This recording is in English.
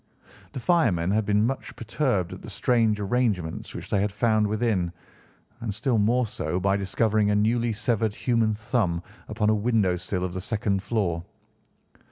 The firemen had been much perturbed at the strange arrangements which they had found within, and still more so by discovering a newly severed human thumb upon a window sill of the second floor.